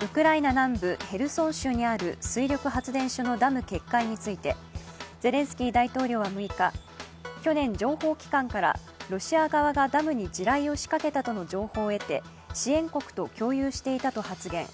ウクライナ南部ヘルソン州にある水力発電所のダム決壊について、ゼレンスキー大統領は６日、去年、情報機関からロシア側がダムに地雷を仕掛けたとの情報を得て支援国と共有していたと発言。